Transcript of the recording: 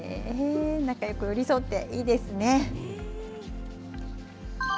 仲よく寄り添って、いいですね。